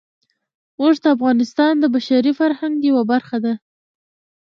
اوښ د افغانستان د بشري فرهنګ یوه برخه ده.